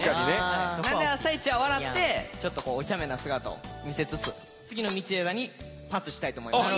なんで朝一は笑ってちょっとおちゃめな姿を見せつつ次の道枝にパスしたいと思います。